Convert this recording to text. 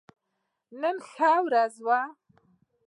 نن ښه ورځ وه